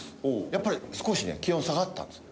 やっぱり少しね気温下がったんです。